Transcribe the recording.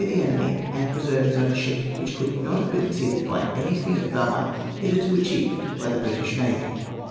the enemy and preserve his own ship; which couhl not be exceeded by any feat of vahjur hitherto acliieved by the British navy.